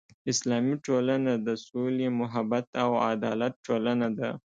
اسلامي ټولنه د سولې، محبت او عدالت ټولنه ده.